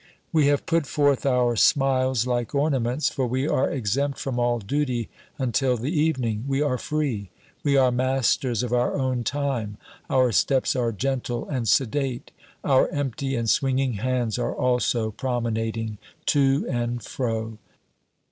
We have put forth our smiles like ornaments, for we are exempt from all duty until the evening, we are free, we are masters of our own time. Our steps are gentle and sedate; our empty and swinging hands are also promenading, to and fro.